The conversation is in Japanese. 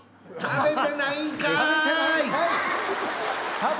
食べてないんかい！